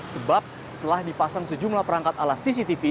sebab telah dipasang sejumlah perangkat ala cctv